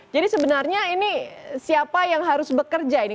jadi sebenarnya ini siapa yang harus bekerja ini